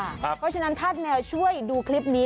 เพราะฉะนั้นธาตุแมวช่วยดูคลิปนี้